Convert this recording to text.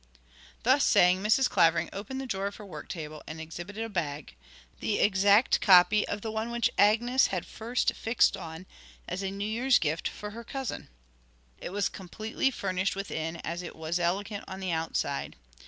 Thus saying, Mrs. Clavering opened the drawer of her work table, and exhibited a bag, the exact copy of the one which Agnes had first fixed on as a New Year's gift for her cousin. It was as completely furnished within as it was elegant on the outside.